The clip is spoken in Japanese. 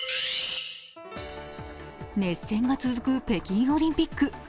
熱戦が続く北京オリンピック。